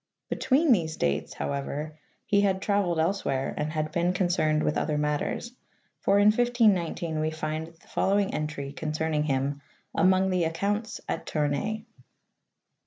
Between these dates, however, he had traveled elsewhere and had been concerned with other matters, for in 1519 we find the following entry concerning him among the "Accounts at Tour nay."